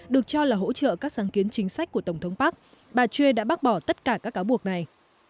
được cho là hỗ trợ các sáng kiến chính sách của tổng thống park bà chue đã bác bỏ tất cả các cáo buộc này